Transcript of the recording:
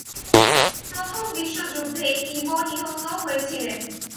প্রথম বিশ্বযুদ্ধে ইভো নিহত হয়েছিলেন।